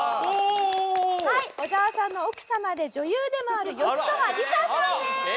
はい小澤さんの奥様で女優でもある吉川莉早さんです。